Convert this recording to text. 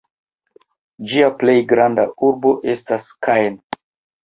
Ĝia plej granda urbo estas Caen.